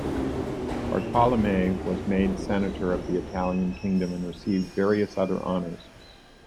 Bartolommei was made senator of the Italian kingdom and received various other honors.